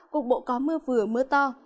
cục bộ có mưa vừa mưa to